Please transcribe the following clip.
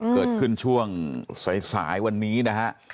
เกิดขึ้นช่วงสายวันนี้นะฮะ